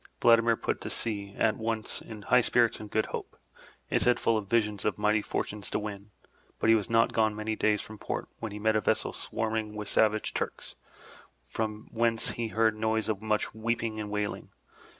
Vladimir put to sea at once, in high spirits and good hope, his head full of visions of mighty fortunes to win; but he was not gone many days from port when he met a vessel swarming with savage Turks, from whence he heard noise of much weeping and wailing.